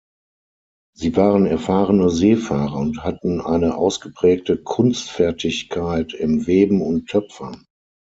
Sie waren erfahrene Seefahrer und hatten eine ausgeprägte Kunstfertigkeit im Weben und Töpfern.